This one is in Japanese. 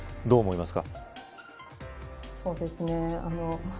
どう思いますか。